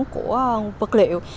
của vật liệu